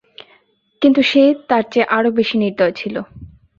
কিন্তু সে তার চেয়ে আরো বেশি নির্দয় ছিল।